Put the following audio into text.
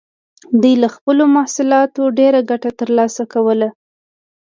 دوی له خپلو محصولاتو ډېره ګټه ترلاسه کوله.